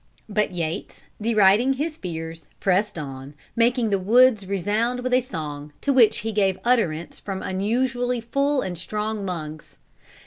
But Yates deriding his fears, pressed on, making the woods resound with a song, to which he gave utterance from unusually full and strong lungs.